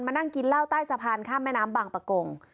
นั่งกินเหล้าใต้สะพานข้ามแม่น้ำบางประกง